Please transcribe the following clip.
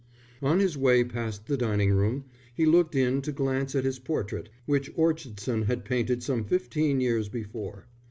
On his way past the dining room he looked in to glance at his portrait, which Orchardson had painted some fifteen years before.